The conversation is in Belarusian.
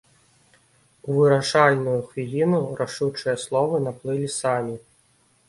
У вырашальную хвіліну рашучыя словы наплылі самі.